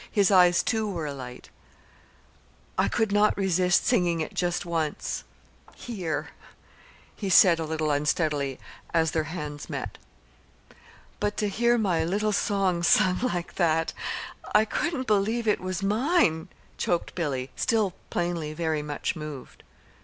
His eyes, too, were alight. "I could not resist singing it just once here," he said a little unsteadily, as their hands met. "But to hear my little song sung like that! I couldn't believe it was mine," choked Billy, still plainly very much moved.